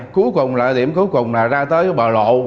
cuối cùng là ra tới bờ lộ